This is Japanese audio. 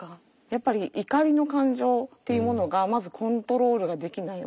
やっぱり怒りの感情っていうものがまずコントロールができない。